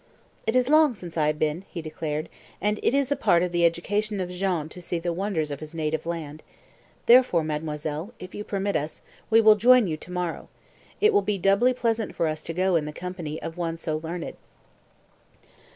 "It is long since I have been," he declared, "and it is part of the education of Jean to see the wonders of his native land. Therefore, mademoiselle, if you permit us, we will join you to morrow. It will be doubly pleasant for us to go in the company of one so learned."